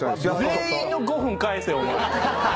全員の５分返せお前。